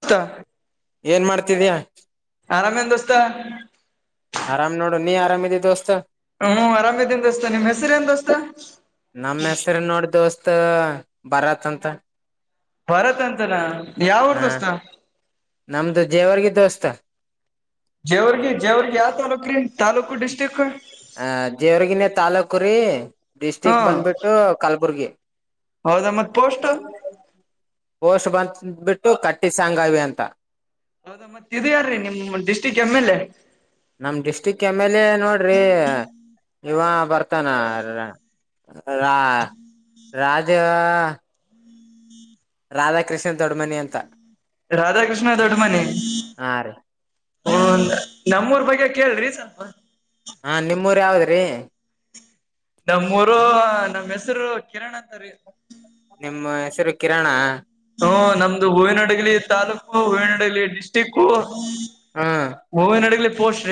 ಹತ್ತ ಏನ್ ಮಾಡ್ತಿದೀಯಾ ಆರಾಮ ಏನ್ ದೋಸ್ತ ಆರಾಮ್ ನೋಡು ನೀ ಆರಾಮಿದಿ ದೋಸ್ತತ್ ಹ್ಮ್ ಅರಾಮದಿಂದ ದಸ್ತ ನಿಮ್ ಹೆಸರೇನ್ ದೋಸ್ತ ನಮ್ಮ ಹೆಸ್ರ ನೋಡ ದೋಸ್ತ್ ಭರತ್ ಅಂತ ಭರತ್ ಅಂತನ ಯಾವ ಹ ಊರ್ ದೋಸ್ತ ನಮ್ದು ಜೇವರ್ಗೆ ದೋಸ್ತ ಜೇವರ್ಗಿ ಜೇವರ್ಗಿ ಯಾವ ತಾಲೂಕ ರೀ ತಾಲೂಕು ಡಿಸ್ಟ್ರಿಕ್ ಆ ಜೇವರ್ಗೆನೆ ತಾಲೂಕುರೀ ಹಾ ಡಿಸ್ಟ್ರಿಕ್ ಬಂದ್ಬಿಟ್ಟು ಕಲ್ಬುರ್ಗಿ ಹೌದಾ ಮತ್ ಪೋಸ್ಟ್ ಪೋಸ್ಟ್ ಬಂದ್ ಬಿಟ್ಟು ಕಟ್ಟಿಸ ಸಾಂಗಾವಿ ಅಂತ ಅಂತ ಹೌದಾ ಮತ್ತ್ ಇದ ಯಾರೀ ನಿಮ್ ಡಿಸ್ಟಿಕ್ ಎಮ್ ಎಲ್ ಎ ನಮ ಡಿಸ್ಟ್ರಿಕ್ ಎಮ್ ಎಲ್ ಎ ನೋಡ್ರಿ ಇವ ಬರ್ತಾನ ರಾ ರಾಜ ದೇವ ರಾಧಾಕೃಷ್ಣನ್ ದೊಡಮನಿ ಅಂತ ರಾಧಾಕೃಷ್ಣ ದೊಡ್ಡಮನಿ ಹಾ ರೀ ಹ ನಮ್ಮೂರ್ ಬಗ್ಗೆ ಕೇಳ್ರಿ ಸ್ವಲ್ಪ ಹಾ ನಿಮ್ಮೂರ್ ಯಾವದ್ರಿ ನಮ್ಮೂರು ನಮ್ಮ್ ಹೆಸರು ಕಿರಣ್ ಅಂತಾರೀ ನಿಮ್ಮ ಹೆಸರು ಕಿರಣ ಹ್ಮ ನಮ್ದು ಹೂವಿನಡ್ಗ್ಲಿ ತಾಲೂಕು ಹೂವಿನಡಗಲಿ ಡಿಸ್ಟ್ರಿಕ್ ಹ್ಮ ಹೂವಿನ ಹಡಗಲಿ ಪೋಸ್ಟ್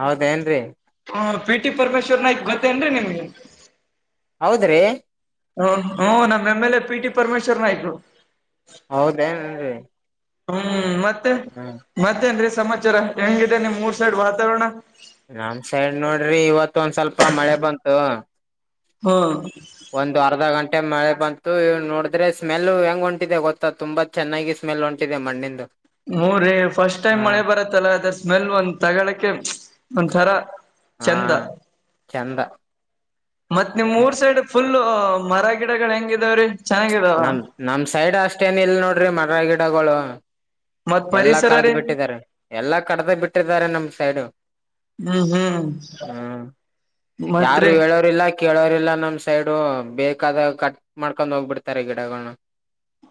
ಹೌದ ಏನ್ರರಿ ಹ ಪಿ ಟಿ ಪರಮೇಶ್ವರ್ ನಾಯ್ಕ್ ಗೊತ್ತೇನ್ರೀ ನಿಮ್ಗೆ ಹೌದ್ರಿ ಹ ಹ್ಮ ನಮ್ಮ ಎಮ್ಮೆಲೆ ಪಿ ಟಿ ಪರಮೇಶ್ವರ್ ನಾಯ್ಕ್ರು ಹೌದೇನ್ರಿ ಹ್ಮ್ ಮತ್ತೆ ಹ್ಮ್ ಮತ್ತೇನ್ರಿ ಸಮಾಚಾರ ಹೆಂಗಿದೆ ನಿಮ್ ಮೂರ್ ಸೈಡ್ ವಾತಾವರಣ ನಮ್ ಸೈಡ್ ನೋಡ್ರಿ ಇವತ್ ಒಂದ್ ಸ್ವಲ್ಪ ಮಳೆ ಬಂತು ಹ್ಮ್ ಒಂದು ಅರ್ಧ ಗಂಟೆ ಮಳೆ ಬಂತು ಇವ ನೋಡಿದ್ರೆ ಸ್ಮೆಲ್ ಹೆಂಗ ಹೊಂಟಿದೆ ಗೊತ್ತಾ ತುಂಬಾ ಚೆನ್ನಾಗಿ ಸ್ಮೆಲ್ ಹೊಂಟಿದೆ ಮಣ್ಣಿಂದು ಹ್ ರೀ ಫಸ್ಟ್ ಟೈಮ್ ಹಾ ಮಳೆ ಬರತ್ತಲ್ಲ ಅದ್ರ ಸ್ಮೆಲ್ ಒಂದ್ ತಗೋಳಕೆ ಒಂಥರ ಹಾ ಚಂದ ಚಂದ ಮತ್ ನಿಮ್ ಮೂರ್ ಸೈಡ್ ಫುಲ್ ಮರ ಗಿಡಗಳು ಹೆಂಗಿದವರಿ ನಮ ನಮ ಸೈಡ್ ಅಷ್ಟೇನ ಇಲ್ ನೋಡ್ರಿ ಮರ ಗಿಡಗಳು ಮತ್ ಎಲ್ಲಾ ಪರಿಸರ ಕಳ್ದ್ ರೀ ಬಿಟ್ಟಿದ್ದಾರೆ ಎಲ್ಲಾ ಕಡ್ದ ಬಿಟ್ಟಿದ್ದಾರೆ ನಮ ಸೈಡು ಹ್ಮ್ ಹ್ಮ್ ಹ್ಮ್ ಮತ್ರಿ ಯಾರು ಹೇಳೋರಿಲ್ಲ ಕೇಳೋರಿಲ್ಲ ನಮ್ಸ ಸೈಡು ಬೇಕಾದ ಕಟ್ ಮಾಡ್ಕೊಂಡ್ ಹೋಗ್ಬಿಡ್ತಾರೆ ಗಿಡಗೊಳ್ನ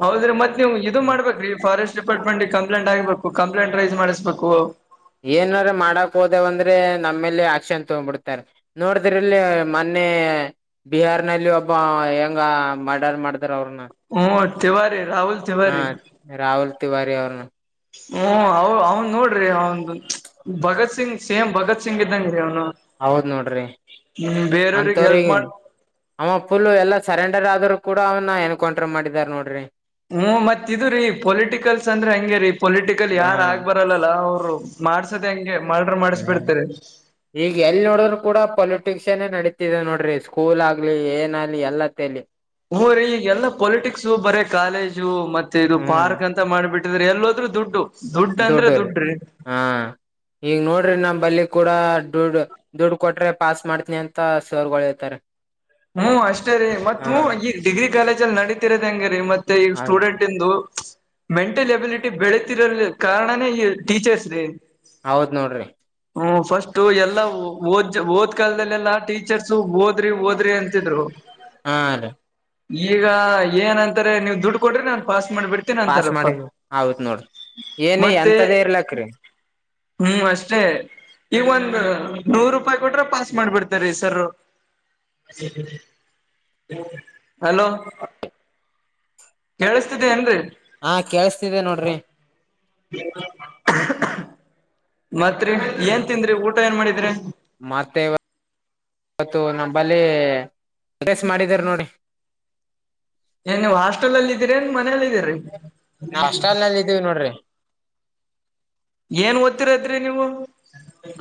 ಹೌದ್ರೀ ಮತ್ ನೀವು ಇದು ಮಾಡ್ಬೇಕ್ರೀ ಫಾರೆಸ್ಟ್ ಡಿಪಾರ್ಟ್ಮೆಂಟ್ ಕಾ ಕಂಪ್ಲೇಂಟ್ ಆಗಬೇಕು ಕಂಪ್ಲೇಂಟ್ ರೈಸ್ ಮಾಡಿಸ್ಬೇಕು ಏನ್ರ ಮಾಡಕ್ ಹೋದೇವಂದ್ರೆ ನಮ್ಮೇಲೆ ಆಕ್ಷನ್ ತೊಗ್ಬಿಡ್ತಾರೆ ನೋಡಿದ್ರ ಇಲ್ಲಿ ಮ ಮ ಬಿಹಾರ್ ನಲ್ಲಿ ಒಬ್ಬ ಹೆಂಗ ಮಡರ್ ಮಾಡ ಅವ್ರನ್ನ ಹ್ಮ ತಿವಾರಿ ರಾಹುಲ್ ಹ ತಿವಾರಿ ರಾಹುಲ್ ತಿವಾರಿ ಅವ್ರನ್ನ ಹ್ಮ ಅವ ಅವ್ನ್ ನೋಡ್ರಿ ಅವ ಭಗತ್ ಸಿಂಗ್ ಸೇಮ್ ಭಗತ್ ಸಿಂಗ್ ಇದ್ದಂಗ ರೀ ಅವ್ನು ಹೌದ್ ನೋಡ್ರಿ ಬೇರೆಯವ್ರಿಗೆ ಹೆಲ್ಪ್ ಅಂತವ್ರಿಗೆ ಮಾಡ ಅವ ಫುಲ್ ಎಲ್ಲಾ ಸರೆಂಡ ರ್ ಆದರರು ಕೂಡ ಅವನ್ನ ಎನ್ಕೌಂಟರ್ ಮಾಡಿದಿದ್ದಾರೆ ನೋಡ್ರಿ ಹ್ಮ್ ಮತ್ದರೀ ಪೊಲಿಟಿಕಲ್ಸ್ ಅಂದ್ರೆ ಹಂಗಗೆ ರೀ ಪೊಲಿಟಿಕಲ್ ಹಾ ಯಾರ ಆಗ್ ಬರಲ್ಲಲ್ಲ ಅವ್ರು ಮಾಡ್ಸದೆ ಹಂಗೆ ಮರ್ಡರ್ ಹ್ಮ ಮಾಡಿಸ್ಬಿಡ್ತಾರೆ ಈಗ ಎಲ್ ನೋಡಿದ್ರು ಕೂಡ ಪೊಲಿಟಿಕ್ಸ್ ಶಕ್ಷನೆ ನಡೀತಿದೆ ನೋಡ್ರಿ ಸ್ಕೂಲ್ ಆಗ್ಲಿ ಏನ್ ಆಗ್ಲಿ ಎಲ್ಲತ್ತೇಲಿ ಹ್ ರೀ ಈಗ ಎಲ್ಲ ಪೊಲಿಟಿಕ್ಸ್ ಬರ ಕಾಲೇಜು ಮತ್ತೆ ಇದು ಹ್ಮ್ ಪಾರ್ಕ್ ಅಂತ ಮಾಡ್ಬಿಟ್ಟ ಎಲ್ಲೋದ್ರೂ ದುಡ್ಡು ದುಡ್ಡು ಅಂದ್ರೆ ದೊಡ್ಡೂ ರೀ ದುಡ್ಡು ಹ ಈಗ ನೋಡ್ರಿ ನಮ ಬಲ್ಲಿ ಕೂಡ ದುಡ್ ದುಡ್ ಕೊಟ್ರೆ ಪಾಸ್ ಮಾಡ್ತನಿ ಅಂತ ಸವರ್ಗಳು ಹೇಳ್ತಾರೆ ಹ್ಮ್ ಅಷ್ಟೇ ರೀ ಮತ್ ಹಾ ಈ ಡಿಗ್ರಿ ಕಾಲೇಜ ಅಲ್ಲಿ ನಡೀತಿರೋದ ಹೆಂಗ ರೀ ಮತ್ತೆ ಈಗ ಹ ಸ್ಟೂಡೆಂಟ್ ಇಂದು ಮೆಂಟಲ್ ಎಬಿಲಿಟಿ ಬೆಳತಿಿರಲ್ ಕಾರಣನೇ ಈ ಟೀಚರ್ಸ್ ರೀ ಹೌದ್ ನೋಡ್ರಿ ಹ್ಮ ಫಸ್ಟ್ ಎಲ್ಲಾ ಓದ ಓದ್ ಕಾಲದಲ್ಲೆಲ್ಲಾ ಟೀಚರ್ಸ್ ಓದ್ರಿ ಓದ ಅಂತಿದ್ರು ಹಾ ರೀ ಈಗ ಏನಂತಾರೆ ನೀವು ದುಡ್ಡು ಕೊಟ್ರೆನೆ ಪಾಸ್ ಮಾಡ್ಬಿಡ್ತೇನ ಪಾಸ್ ಅಂತಾರಪ್ಪ ಮಾಡಿ ಹೌದ್ ನೋಡ್ರಿ ಏನ ಮತ್ತೆ ಎಂತದೇ ಇರ್ಲಕ್ರೀ ಹ್ಮ್ ಅಷ್ಟೇ ಈಗೊಂದು ನೂರು ರೂಪಾಯಿ ಕೊಟ್ರೆ ಪಾಸ್ ಮಾಡ್ಬಿಡ್ತಾರೀ ಸರ್ ಹಲೋ ಕೇಳಸ್ತಿದೆ ಏನ್ರಿ ಹಾ ಕೇೇಳಸ್ತಿದೆ ನೋಡ್ರಿ ಮತ್ರಿ ಏನ್ ತಿಂದ್ರಿ ಊಟ ಏನ್ ಮಾಡಿದ್ರಿ ಮತ್ತೇವ ಇವತ್ತು ನಮ್ಮಂಬಲ್ಲಿ ಅಡ್ರೆಸ್ ಮಾಡಿದಾರ ನೋಡಿ ಏನ್ ನೀವು ಹಾಸ್ಟೆಲ್ ಅಲ್ಲಿ ಇದ್ದೀರಿ ಏನ್ ಮನಲ್ಲ ಇದಿದ್ದೀರಿ ನಾವ್ ಹಾಸ್ಟೆಲ್ ನಲ್ಲಿ ಇದೀವಿ ನೋಡ್ರಿ ಏನ್ ದ್ತ್ತಿರದ್ರಿ ನೀವು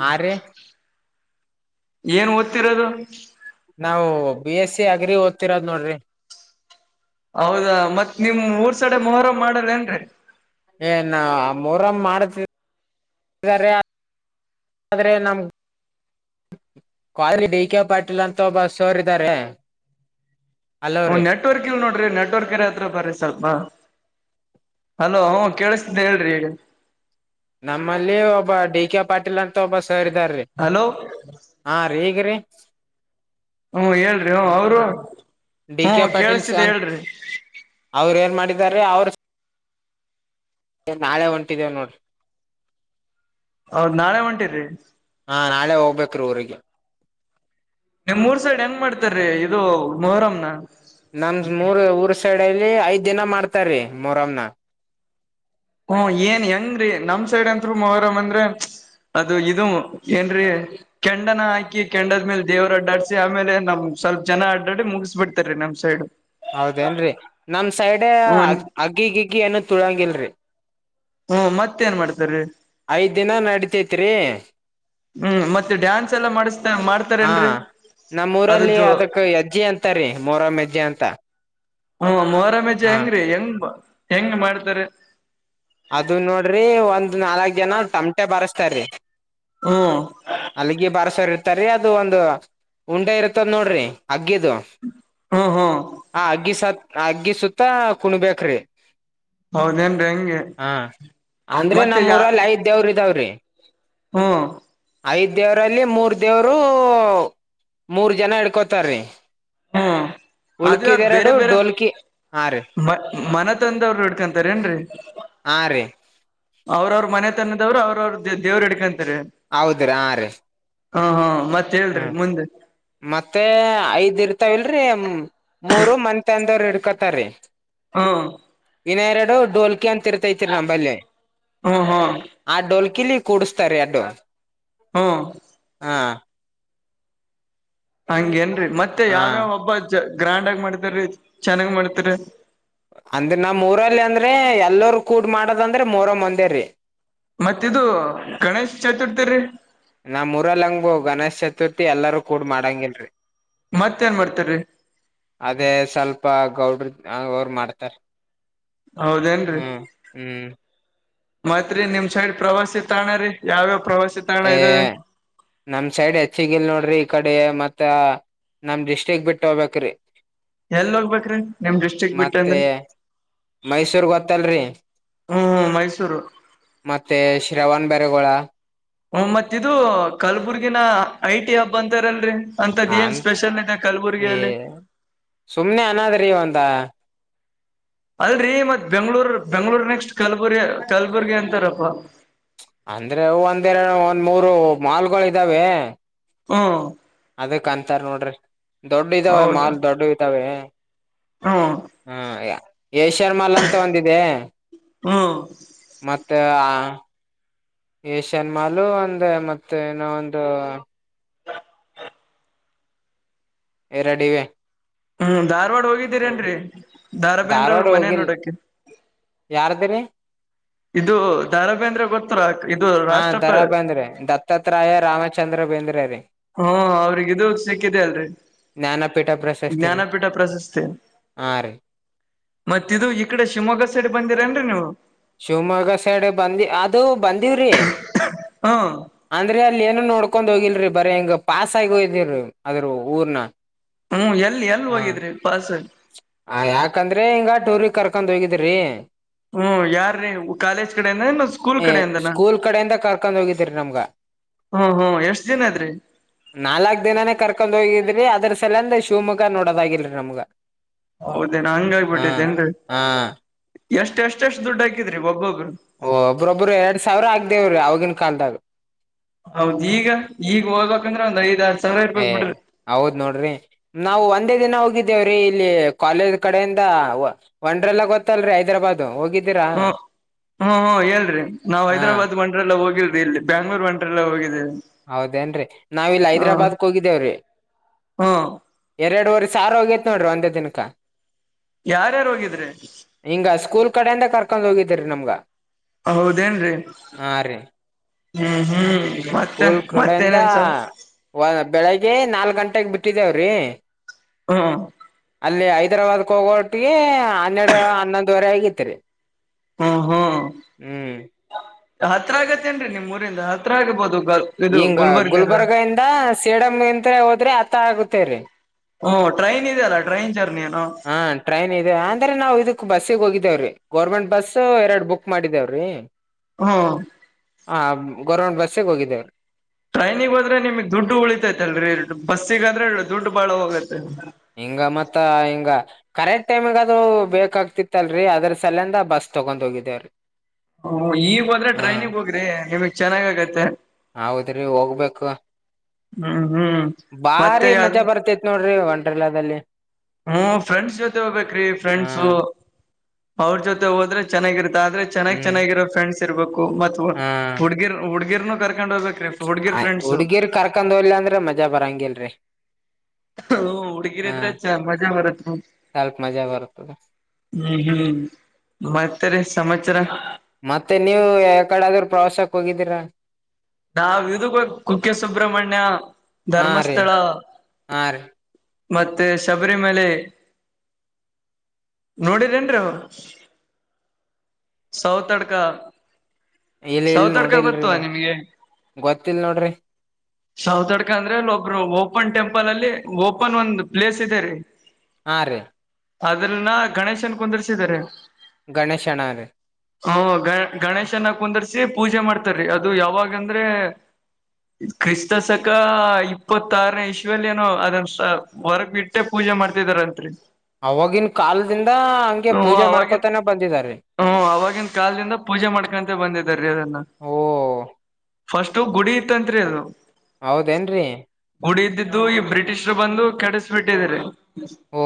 ಹಾ ರೀ ಏನ್ ಓದ್ತಿರೋದು ನಾವವು ಬಿ ಎಸ್ ಸಿ ಅಗ್ರಿ ಓದ್ತಿರೋದ್ ನೋಡ್ರಿ ಹೌದಾ ಮತ್ತ್ ನಿಮ ಊರ್ ಸಡೆ ಮೊಹರ ಮಾಡಲ್ ಏನ್ರರಿ ಏ ನಾ ಮೂರಮ್ಮ ಮಾಡತಿದ ಆದರೆೆ ನಮ ಕಾಲಜಿ ಡ ಕೆೆ ಪಾಟೀಲ್ ಅಂತ ಒಬ್ಬ ಸೋರಿದ್ದಾರೆ ಹ ನೆಟ್ವರ್ಕ್ ಇಲ್ ನೋಡ್ರಿ ನೆಟ್ವರ್ಕ್ರ ಹತ್ರ ಬರ್ರಿ ಸ್ವಲ್ಪ ಹಲೋ ಹ ಕೇಳಿಸತಿದ್ದ ಹೇಳ್ರಿ ಈಗ ನಮ್ಮಲ್ಲಿ ಒಬ್ಬ ಡಿ ಕೆ ಪಾಟೀಲ್ ಅಂತ ಮೊಬ್ಬ ಸರಿದಾರಿ ಹಲೋ ಹಾ ರೀ ಈಗ್ರೀ ಹ್ಮಞ ಹೇಳ್ರಿ ಹ ಅವರು ಡಿ ಹ್ಮ ಕೆ ಕೇೇಳಿಸತಿದ್ದ ಹೇಳ್ರರಿ ಮಾಡಿದ್ದಾರೆ ಅವರು ಏ ನಾಳೆ ಹೊಂಟಿದ್ದೇವ ನೋಡ್ರಿ ಹೌದ್ ನಾಳೆ ಹೊಂಟಿದ್ರಿ ನಾ ನಾಳೆ ಹೋಗ್ಬೇಕ್ರೀ ಊರಿಗೆ ನಿಮ್ ಮೂರ್ ಸೈಡ್ ಏನ್ ಮಾಡ್ತಾರೀ ಇದು ಮೊಹರ ನಮ ಮೂರ್ ಊರ್ ಸೈಡ್ಲ್ಲಿ ಐದ್ ದಿನ ಮಾಡ್ತಾರೀ ಮರಮ್ನ ಹ್ಮ ಏನ್ ಹೆಂಗ್ರೀ ನಮ್ ಸೈಡ್ ಅಂ ಮರ್ ಅಂದ್ರ ಅದು ಇದು ಏನ್ರೀ ಕೆಂಡನ ಹಾಕಿ ಕೆಂಡದ್ಮೇಲೆ ದೇವರು ಅಡ್ಡಾಡ್ಸಿ ಆಮೇಲೆ ನಮ್ ಸ್ವಲ್ಪ ಜನ ಅಡ್ಡಡಿ ಮುಗಿಸ್ಬ ಬಿಡ್ತಾರ ರೀ ನಮ್ ಸೈಡ್ ಹೌದೇನ್ರರಿ ನಮ ಸೈಡ್ ಹ್ಮ ಅಗ್ ಅಗ್ಗಿಗಿಗ್ಗಿ ಏನು ತುಳಂಗಲ್ರರಿ ಹ್ಮ ಮತ್ತ ಏನ್ ಮಾಡ್ತಾರೆ ಐದ್ ದಿನ ನಡತೇತ್ರಿ ಹ್ಮ್ ಮತ್ತೆ ಡ್ಯಾನ್ಸ್ ಎಲ್ಲಾ ಮಾಡಿಸತ ಮಾಡ್ತಾರ ಏನ್ರರಿ ನಮ್ಮೂಊರಲ್ಲಿ ಅದಕ್ ಎಜ್ಜಿ ಅಂತಾರೀ ಮೋರಂ್ ಅಜ್ಜಿ ಅಂತ ಹ್ಮ ಮೊರಾಮಜೆ ಹಾ ಹೆಂಗ್ರೀ ಹೆಂಗ್ ಹೆಂಗ ಮಾಡ್ತೀರಿ. ಅದು ನೋಡ್ರಿ ಒಂದ್ ನಾಲ್ಕ್ ಜನ ಟಮಟೆ ಬಾರಸ್ತಾರಿ. ಹ್ಮ್ ಹಲಿಗೆ ಬಾರಸೊರ್ ಇರ್ತಾರಿ ಅದು ಒಂದು ಉಂಡೆ ಇರ್ತದ ನೋಡ್ರಿ ಅಗ್ಗಿದು ಹ್ಮ್ ಹ್ಮ್ ಹಾ ಅಗ್ಗಿ ಸಾ ಆ ಅಗ್ಗಿ ಸುತ್ತ ಕುಣಬೇಕ್ರಿ. ಹೌದೇನ್ರಿ ಹೆಂಗೆ ಅಂದ್ರೆ ಮತ್ತೆ ನಮ್ಮ್ ಯಾ ಊರಲ್ಲಿ ಐದ್ ದೇವ್ರ ಇದಾವ್ರಿ ಹಂ. ಐದ್ ದೇವರಲ್ಲಿ ಮೂರ್ ದೇವರು ಮೂರ್ ಜನ ಹಿಡ್ಕೋತಾರೀ. ಹ್ಮ್ ಅದು ಯಾರ್ ಉಳ್ಕಿದೆರಡು ಬೇರೆ ಬೇರೆ ಢೋಲ್ಕಿ ಮ ಮನ ತಂದ ಅವರು ಹಿಡ್ಕೊಂತಾರ ಏನ್ರಿ. ಹಾರಿ ಅವ್ರವ್ರ ಮನೆ ತನದವ್ರು ಅವ್ರವ್ರ ದೇವ್ರ ಹಿಡ್ಕಂತ ಹೌದ್ರೀ ಹಾ ರೀ. ಹಂ ಹಂ ಹ್ಮ ಮತ್ತೆ ಐದ್ ಇರ್ತಾವಲ್ರಿ ಮೂರು ಮಂತನದವ್ರ ಹಿಡ್ಕೊತಾರೀ. ಹ್ಮ ಇನ್ನ ಎರಡು ಡೋಲ್ಕಿ ಅಂತ ಇರ್ತೈತ್ರಿ ನಂಬಲ್ಲಿ ಹ್ಮ ಹ್ಮ್ ಕಿಲಿ ಕೂಡಸ್ತಾರೆ ಯಾಡ್ಡು. ಹ್ಮ ಹಾ ಹಂಗೆನ್ರೀ ಮತ್ತೆ ಹಾ ಯಾವ್ಯಾವ ಹಬ್ಬ ಚ ಗ್ರ್ಯಾಂಡ್ ಆಗಿ ಮಾಡ್ತಾರಿ ಚೆನ್ನಾಗ್ ಮಾಡ್ತೀರಿ. ಅಂದ್ರ ನಮ್ಮ ಊರಲ್ಲಿ ಅಂದ್ರೆ ಎಲ್ಲರು ಕೂಡ್ ಮಾಡದಂದ್ರೆ ಮೊಹರಂ ಒಂದೇರೀ. ಮತ್ತ ಇದು ಗಣೇಶ್ ಚತುರ್ಥಿ ರೀ. ನಮ್ಮೂ ಊರಲ್ಲಂಗು ಗಣೇಶ್ ಚತುರ್ಥಿ ಎಲ್ಲಾರೂ ಕೂಡ್ ಮಾಡಾಂಗಿಲ್ರಿ. ಮತ್ತೇನ್ ಮಾಡ್ತಾರೀ ಅದೇ ಸ್ವಲ್ಪ ಗೌಡ್ರ ಆ ಅವರ ಮಾಡ್ತಾರಿ ಹೌದೇನ್ರಿ ಹ್ಮ್ ಹ್ಮ್. ಮತ್ರಿ ನಿಮ್ ಸೈಡ್ ಪ್ರವಾಸಿ ತಾಣರಿ ಯಾವ್ಯಾವ ಪ್ರವಾಸಿ ತಾಣ ಏ ಇದಾವೆ ನಮ್ಮ ಸೈಡ್ ಹೆಚ್ಚಿಗಿಲ್ ನೋಡ್ರಿ ಈಕಡಿ ಡೇ ಮತ್ತ ನಮ್ ಡಿಸ್ಟ್ರಿಕ್ ಬಿಟ್ಟ ಹೋಬೇಕ್ರೀ. ಎಲ್ ಹೋಗ್ಬೇಕ್ರಿ ನಿಮ್ ಡಿಸ್ಟ್ರಿಕ್ ಬಿಟ್ಟ ಮತ್ತೆ ಎಲ್ಲಿ. ಮೈಸೂರ್ ಗೊತ್ತಲ್ರಿ ಹ್ಮ್ ಮೈಸೂರು ಮತ್ತೆ ಶ್ರವಣ ಬೆರಗೋಳ ಹ್ಮ ಮತ್ತ ಇದು ಕಲಬುರ್ಗಿನ ಐಟಿ ಹಬ್ ಅಂತಾರಲ್ರಿ. ಹಂತದ್ ಅ ಏನ್ ಸ್ಪೆಷಲ್ ಇದೆ ಕಲಬುರ್ಗಿಯಲ್ಲಿ. ಸುಮ್ನೆ ಅನದ್ರಿ ಒಂದ ಅಲ್ರಿ ಮತ್ ಬೆಂಗಳೂರ್ ಬೆಂಗ್ಳೂರ್ ನೆಕ್ಸ್ಟ್ ಕಲ್ಬುರ್ಗಿ ಕಲ್ಬುರ್ಗಿ ಅಂತಾರಪ್ಪ. ಅಂದ್ರೆ ಒಂದ್ ಎರಡ ಒಂದ್ ಮೂರು ಮಾಲ್ಲ್ಗೊಳ ಇದಾವೆ. ಹ್ಮ ಅದಕಂತಾರ್ ನೋಡ್ರಿ ದೊಡ್ಡ ಇದ್ದಾವ ಹೌದು ಮಾಲ್ ದೊಡ್ಡುವ ಇದ್ದಾವೆ. ಹ್ಮ್ ಹ್ಮ್ ಯಾ ಏಷ್ಯನ್ ಮಾಲ್ ಅಂತ ಒಂದ ಇದೆ ಹ್ಮ್ ಮತ್ತ ಆ ಏಷ್ಯನ್ ಮಾಲು ಒಂದ ಮತ್ತೆ ಇನ ಒಂದು ಎರಡಿವೆ. ಹ್ಮ್ ಧಾರ್ವಾಡ ಹ್ಮ್ ಹೋಗಿದ್ದೀರೇನ್ರಿ ಧಾರಬೇಂದ್ರ ಅವ್ರ ಮನೆ ನೋಡಕೆ. ಯಾರ್ದರಿ. ಇದು ಧಾ ರಾ ಬೆಂದ್ರೆ ಗೊತ್ತಲಾ. ಹಾ ದ ರಾ ಬೇಂದ್ರೆ ದತ್ತಾತ್ರಾಯ ರಾಮಚಂದ್ರ ಬೇಂದ್ರೆ ರೀ. ಹಾ ಅವ್ರಿಗ್ ಇದು ಸಿಕ್ಕಿದೆ ಅಲ್ರಿ. ಜ್ಞಾನಪೀಠ ಪ್ರಶಸ್ತಿ ರೀ ಜ್ಞಾನಪೀಠ ಪ್ರಶಸ್ತಿ. ಹಾ ರೀ ಮತ್ತ ಇದು ಈ ಕಡೆ ಶಿವಮೊಗ್ಗ ಸೈಡ್ ಬಂದಿರೇನ್ರಿ ನೀವು ಶಿವಮೊಗ್ಗ ಸೈಡ್ ಬಂದಿ ಅದು ಬಂದೀವ್ರಿ ಹಾ ಅಂದ್ರೆ ಅಲ್ಲಿ ಏನು ನೋಡ್ಕೊಂಡ್ ಹೋಗಿಲ್ರಿ ಬರೇ ಹಿಂಗ ಪಾಸ್ ಆಗಿ ಹೋಗಿದ್ದೀರಿ ಅದ್ರ ಊರ್ಣ ಹ್ಮ್ ಎಲ್ಲಿ ಎಲ್ ಹೋಗಿದ್ರಿ ಪಾಸ ಆಗಿ ಹ ಯಾಕಂದ್ರೆ ಹಿಂಗ ಟೂರ್ ಕರ್ಕೊಂಡ್ ಹೋಗಿದ್ದಿರಿ ಹ್ಮ್ ಯಾರ್ರೀ ಕಾಲೇಜ್ ಕಡೆಯಿಂದ ಏನ್ ಸ್ಕೂಲ್ ಕಡೆಯಿಂದನಾ ನಮಗ ಅದ್ರಿ ನಾಲಾಕ ದಿನಾನೇ ಕರ ಕೊಂಡ್ ಹೋಗಿದ್ರಿ ಅದರ್ ಸಲೆಂದ ಶಿವಮೊಗ್ಗ ನೋಡೋದಾಗಿಲ್ರಿ ನಮ್ಗ ಹೌದೇನ ಹಂಗ ಹಾ ಆಗಬಿಟ್ಟಿದ್ದೇನ್ರಿ ಹಾ ಎಷ್ಟ ಎಷ್ಟಷ್ಟು ದುಡ್ಡು ಹಾಕಿದ್ರಿ ಒಬ್ಬೊಬರು ಓ ಒಬ್ಬ್ರೊಬ್ರು ಎರಡ್ ಸಾವಿರ ಆಗ್ದೇವ್ರಿ ಅವಾಗಿನ್ ಕಾಲ್ದಾಗ ಹೌದ ಈಗ ಈಗ ಹೋಗ್ಬೇಕಂದ್ರೆ ಒಂದ್ ಐದ್ ಆರ ಏ ಹೌದ್ ನೋಡ್ರಿ ನಾವು ಒಂದ ಒಂದೇ ದಿನ ಹೋಗಿದ್ದೇವ್ರೀ ಇಲ್ಲಿ ಕಾಲೇಜ್ ಕಡೆಯಿಂದ ವಂಡರ್ ಲಾ ಗೊತ್ತಲ್ರಿ ಹೈದರಾಬಾದ್ ಹೋಗಿದ್ದ ಹ್ಮ ಹ್ಮ್ ಹ್ಮ್ ಹೇಳ್ರಿ ನಾವ್ ಹಾ ಹೈದ್ರಾಬಾದ್ ವಂಡರ್ ಲಾ ಹೋಗಿಲ ಇಲ್ರಿ ಬ್ಯಾಂಗ್ಳೂರ್ ವಂಡರ್ ಲಾ ಹೋಗಿದ್ದಿದ ಹೌದೇನ್ ರಿ ನಾವ ಇಲ್ ಹೈದ್ರಾಬಾದ್ಕ್ ಹೋಗಿದ್ದೇವ್ರೀ ಹ್ಮ್ ಎರಡು ವರಿ ಸಾವಿರ ಹೋಗೇತ್ ನೋಡ್ರಿ ಒಂದೇ ದಿನಕ ಯಾರ್ಯಾರು ಹೋಗಿದ್ರಿ ಹಿಂಗ ಸ್ಕೂಲ್ ಕಡೆಯಿಂದ ಕರ್ಕೊಂಡ್ ಹೋಗಿದ್ದೀರಿ ನಮ್ಗ ಹೌದೇನ್ರಿ ಹ್ಮ ಹ್ಮ್ ಮತ್ತೆ ಸ್ಕೂಲ್ ಕಡೆಯಿಂದ ಮತ್ತೇನೇನ್ ಸ ಬೆಳಿಗ್ಗೆ ನಾಲ್ ಗಂಟೆಗೆ ಬಿಟ್ಟಿದ್ದೇವ್ರಿ ಹೂ ಅಲ್ಲಿ ಹೈದ್ರಾಬಾದ್ಗೆ ಹೋಗೋವಟಿಗೆ ಹನ್ನೆರಡು ಹನ್ನೊಂದುವರೆ ಆಗಿತರಿ ಹೂ ಹೂ ಹ್ಮ್ ಹತ್ರ ಆಗತ್ತೇನ್ರಿ ನಿಮ್ ಊರಿಂದ ಹತ್ರ ಆಗ್ಬಹದು ಹಿಂಗ್ ಗುಲ್ಬರ್ಗ ಇಂದ ಸೇಡಮ ಇಂತ ಹೋದ್ರೆ ಹತ್ರ ಆಗತೇರಿ ಹ್ಮ್ ಟ್ರೈನ್ ಇದೆಯಲ್ಲ ಟ್ರೈನ್ ಜರ್ನಿ ಏನು ಹಾ ಟ್ರೈನ್ ಇದೆ ಅಂದ್ರೆ ನಾವು ಇದಕ ಬಸಿಗ್ ಹೋಗಿದ್ದಾವ್ರಿ ಗೌರ್ಮೆಂಟ್ ಬಸ್ ಎರಡು ಬುಕ್ ಮಾಡಿದೇವ್ರೀ ಹೂ ಗವರ್ನಮೆಂಟ್ ಬಸ್ಗ ಹೋಗಿದ್ದೇವರಿ ಟ್ರೈನಿಗೆ ಹೋದ್ರೆ ನಿಮಗ್ ದುಡ್ಡು ಉಳಿತೈತೆಲ್ರಿ ಬಸ್ಸಿಗ ಆದ್ರೆ ದುಡ್ ಬಾಳ ಹೋಗತ್ತ ಹಿಂಗ ಮತ್ತ ಹಿಂಗ ಕರೆಕ್ಟ್ ಟೈಮಗ ಅದು ಬೇಕಾಗ್ತಿತ್ತಲ್ರರಿ ಅದ್ರ ಸೇಲೆಂದ ಬಸ್ ತಗೊಂಡ್ ಹೋಗಿದ್ದೇವ್ರಿ ಹೂ ಈಗ ಹೋದ್ರೆ ಟ್ರೈನಿಗ ಹೋಗ್ರಿ ನಿಮಗ್ ಚೆನ್ನಾಗ್ ಆಗತ್ತೆ ಹೌದ್ರಿ ಹೋಗ್ಬೇಕು ಹ್ಮ್ ಹ್ಮ್ ಮತ್ತೆ ಬಾರಿ ಯಾವ್ದ ಮಜಾ ಬರ್ತೇತ್ ನೋಡ್ರಿ ವಂ ಡರರ್ಲಾದಲ್ಲಿ ಹ್ಮ ಫ್ರೆಂಡ್ಸ್ ಜೊತೆ ಹೋಗ್ಬೇಕ್ರೀ ಹಾ ಫ್ರೆಂಡ್ಸ ಅವ್ರ ಜೊತೆ ಹೋದ್ರೆ ಚೆನ್ನಾಗಿರುತ್ತ ಆದ್ರೆ ಚೆನ್ನಾಗಿ ಹ್ಮ್ ಚೆನ್ನಾಗಿರೋ ಫ್ರೆಂಡ್ಸ್ ಇರ್ಬೇಕು ಮತ್ ಹುಡ್ಗಿರ್ ಹುಡ್ಗಿರ್ನು ಕರ್ಕೊಂಡ್ ಹೋಗ್ಬೇಕು ಆ ಹುಡ್ಗಿರ್ ಕರ್ಕೊಂಡ್ ಹೋಗ್ಲಿಲಾ ಅಂದ್ರೆ ಮಜಾ ಬರಂಗಿಲ್ರಿ ಹೂ ಹುಡುಗೀರ ಹಾ ಇದ್ರೆ ಮಜಾ ಬರತ ಹ್ಮ್ ಸ್ವಲ್ಪ ಮಜಾ ಬರ್ತದ ಹ್ಮ್ ಮತ್ತರಿ ಸಮಾಚಾರ ಮತ್ತೆ ನೀವ ಯಕಡೆ ಆದ್ರೂ ಪ್ರವಾಸಕ್ ಹೋಗಿದ್ದೀರಾ ನಾವ ಇದಕ್ಕ ಹೋಗಿ ಕುಕ್ಕೆ ಸುಬ್ರಹ್ಮಣ್ಯ ಧರ್ಮಸ್ಥಳ ಹಾರಿ ಮತ್ತೆ ಶಬರಿಮಲೆ ನೋಡಿರೇನ್ರಿ ಅವ್ರ. ಸೌತಡ್ಕಾ ಇಲ್ ಇಲ್ ನೋಡಿಲ್ರಿ ನಾ ಗೊತ್ತಿಲ್ಲ ನೋಡ್ರಿ ಸೌತಡ್ಕ ಅಂದ್ರೆ ಅಲ್ಲಿ ಒಬ್ರು ಓಪನ್ ಟೆಂಪಲ್ ಅಲ್ಲಿ ಓಪನ್ ಒಂದ್ ಪ್ಲೇಸ್ ಇದೆ ರೀ. ಹಾ ರೀ. ಅದ್ರನ್ನ ಗಣೇಶನ್ ಕುಂದರ್ಸಿದಾರೆ. ಗಣೇಶನಾರೀ. ಹ್ಮ ಗ ಗಣೇಶನ್ನ ಕುಂದರ್ಸಿ ಪೂಜೆ ಮಾಡ್ತಾರೀ ಅದು ಯಾವಾಗಂದ್ರೆ ಕ್ರಿಸ್ತ ಶಕ ಇಪ್ಪತ್ತಾರನೇ ಇಶ್ವಲ್ಲಿ ಏನೋ ಅದನ್ ಹೊರಗ ಬಿಟ್ಟೆ ಪೂ ಜೆ ಮಾಡ್ತಿದಾರಂತ್ರಿ ಅವಾಗಿನ ಕಾಲದಿಂದ ಹಂಗೆ ಪೂಜೆ ಮಾಡ್ಕೊತಾನೆ ಬಂದಿದಾರೀ. ಹೂಂ ಅವಾಗಿನ ಕಾಲ್ದಿಂದ ಪೂಜೆ ಮಾಡ್ಕಂತ ಬಂದಿದಾರ್ರೀ ಅದನ್ನ. ಓ ಫಸ್ಟು ಗುಡಿ ಇತ್ತಂತ್ರಿ ಅದು ಹೌದೇನ್ರಿ ಗುಡಿ ಇದ್ದಿ ದು ಈ ಬ್ರಿಟಿಷ್ರು ಬಂದು ಕೆಡಿಸ್ಬಿಟ್ಟಿದಾರೆ. ಓ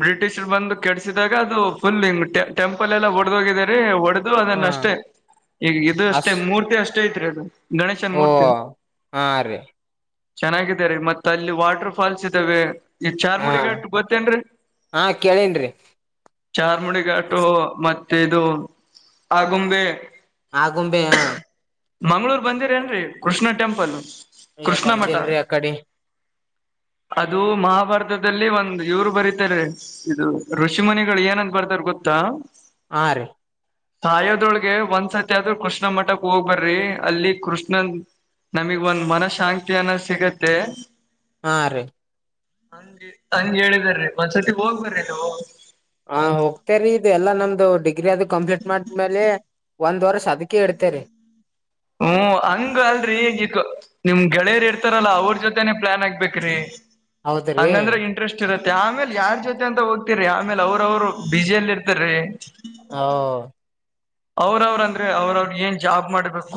ಬ್ರಿಟಿಷ್ರ್ ಬಂದು ಕೆಡಸಿದಾಗ ಅದು ಫುಲ್ ಟೆ ಟೆಂಪಲ್ ಎಲ್ಲಾ ಒಡೆದೋಗಿದೇರೀ ಒಡ್ ಅದು ಹಾ ಅದನ್ನ ಅಷ್ಟೇ ಈಗ ಇದು ಅಷ್ಟೇ ಅಸ್ ಮೂರ್ತಿ ಅಷ್ಟೇ ಐತ್ರಿ ಅದು. ಗಣೇಶನ್ ಓ ಮೂರ್ತಿ. ಹಾ ರೀ ಚೆನ್ನಾಗಿದೆರೀ ಮತ್ತ ಅಲ್ಲಿ ವಾಟರ್ ಫಾಲ್ಸ್ ಇದಾವೆ. ಈ ಹಾ ಚಾರ್ಮುಡಿಗಾಟ್ ಗೊತ್ತೇನ್ರೀ ಹಾ ಕೇಳೇನ್ರಿ ಚಾರ್ಮುಡಿಗಾಟ್ ಟು ಮತ್ತೆ ಇದು ಆಗುಂಬೆ. ಆಗುಂಬೆ ಹಾ ಮಂಗ್ಳೂರ್ ಬಂದಿರ್ ಏನ್ರೀ ಕೃಷ್ಣ ಟೆಂಪಲ್ ಏ ಕೃಷ್ಣ ಮಠ ಬಂದಿಲ್ರಿ ಅ ಕಡಿ. ಅದು ಮಹಾಭಾರತದಲ್ಲಿ ಒಂದ್ ಇವ್ರು ಬರೀತಾರೀ ಇದು ಋಷಿಮುನಿಗಳು ಏನಂದ ಬರ್ ತಾರ್ ಗೊತ್ತಾ ಹಾ ರೀ. ಸಾಯೋದ್ರೊಳ್ಗೆ ಒಂದ್ಸತಿ ಆದ್ರೂ ಕೃಷ್ಣ ಮಠಕ್ ಹೋಗ್ಬರ್ರಿ ಅಲ್ಲಿ ಕೃಷ್ಣನ್ ನಮಿಗ್ ಒಂದ್ ಮನ ಶಾಂತಿ ಅನ ಸಿಗತ್ತೆ. ಹಾ ರೀ ಹಂಗೆ ಹಂಗ ಹೇಳೀದಾರ್ರೀ ಒಂದ್ಸತಿ ಹೋಗ್ಬರ್ರೀ ಅಲ್ಲಿ ಹೋ ಂದು ಡಿಗ್ರಿ ಅದು ಕಂಪ್ಲೀಟ್ ಮಾಡಿದ್ಮೇಲೆ ಒಂದ್ ವರ್ಷ ಅದಕ ಇಡ್ತೇರಿ. ಹ್ಮ ಹಂಗ ಅಲ್ರೀ ಈಗ ನಿಮ್ ಗೆಳೆಯರ್ ಇರ್ತಾರಲ್ಲ ಅವ್ರ ಜೊತೆೇನೆೇ ಪ್ಲಾನ್ ಆಗ್ಬೇಕ್ರಿ. ಹೌದ್ರಿ ಹಂಗಂದ್ರೆ ಇಂಟ್ರೆಸ್ಟ್ ಇರತ್ ಆಮೇಲ್ ಯಾರ್ ಜೊತೆ ಅಂತ ಹೋಗ್ತಿರಿ ಆಮೇಲ್ ಅವ್ರ ಅವರು ಬಿಜಿಯಲ್ಲಿ ಇರ್ತಾರ್ರಿ ಹೌ ಅವ್ರ ಅವ್ರ ಅಂದ್ರೆ ಅವ್ರ ಅವ್ರಗ್ ಏನ್ ಜಾಬ್ ಮಾಡ್ಬೇಕು